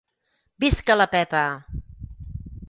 Visca la Pepa!